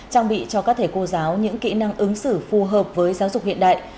trang bị cho các thầy cô giáo những kỹ năng ứng xử phù hợp với giáo dục hiện đại